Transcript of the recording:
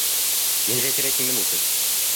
Нельзя терять ни минуты.